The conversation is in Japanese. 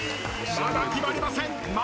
まだ決まりません！